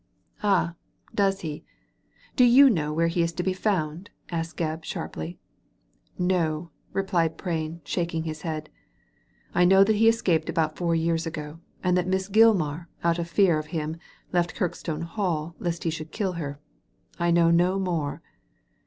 ^'Ahy does he? Do you know where he is to be found ?" asked Gebb, sharply. " No !replied Prain, shaking his head. • I know that he escaped about four years ago, and that Miss Gilmar, out of fear of him, left Kirkstone Hall lest he should kill her ; I know no more."